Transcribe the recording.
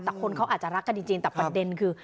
แต่คนเขาอาจจะรักกันจริงแต่ประเด็นคือ